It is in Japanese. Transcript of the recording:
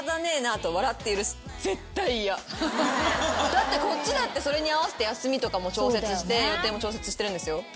だってこっちだってそれに合わせて休みも調節して予定も調節してるんですよ。